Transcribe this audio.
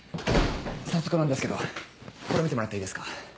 早速なんですけどこれ見てもらっていいですか？